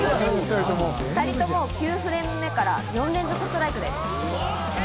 ２人とも９フレーム目から４連続ストライクです。